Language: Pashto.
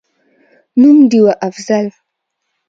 نوم: ډېوه«افضل»